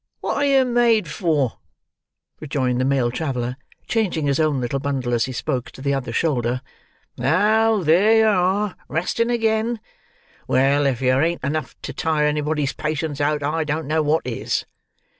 What are yer made for?" rejoined the male traveller, changing his own little bundle as he spoke, to the other shoulder. "Oh, there yer are, resting again! Well, if yer ain't enough to tire anybody's patience out, I don't know what is!"